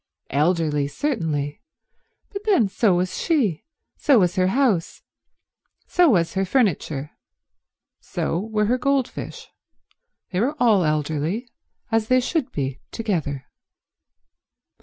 Elderly, certainly, but then so was she, so was her house, so was her furniture, so were her goldfish. They were all elderly, as they should be, together.